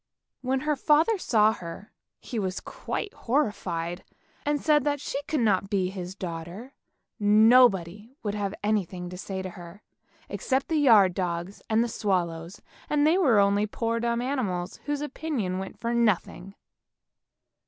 When her father saw her, he was quite horrified and said that she could not be his daughter. Nobody would have anything to say to her, except the yard dog, and the swallows, and they were only poor dumb animals whose opinion went for nothing.